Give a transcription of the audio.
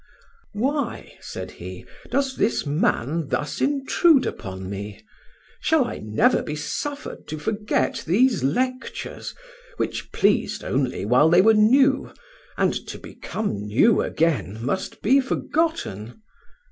"Why," said he, "does this man thus intrude upon me? Shall I never be suffered to forget these lectures, which pleased only while they were new, and to become new again must be forgotten?"